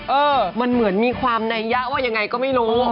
เออมันเหมือนมีความนัยยะว่ายังไงก็ไม่รู้